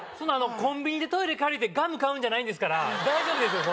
コンビニでトイレ借りてガム買うんじゃないんですから大丈夫ですよ